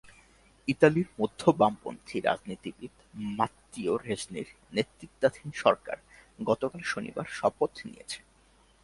ইতালির মধ্য বামপন্থী রাজনীতিবিদ মাত্তিও রেনজির নেতৃত্বাধীন সরকার গতকাল শনিবার শপথ নিয়েছে।